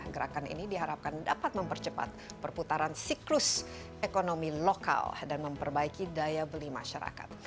gerakan ini diharapkan dapat mempercepat perputaran siklus ekonomi lokal dan memperbaiki daya beli masyarakat